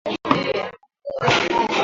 Menya na kuosha viazi